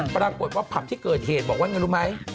ปรากฏว่าผับที่เกิดเหตุบอกว่าไงรู้ไหม